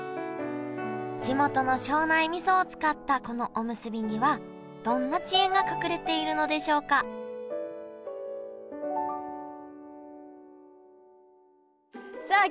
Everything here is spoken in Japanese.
地元の庄内みそを使ったこのおむすびにはどんな知恵が隠れているのでしょうかさあ